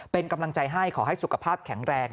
เป็นกำลังใจให้ขอให้สุขภาพแข็งแรง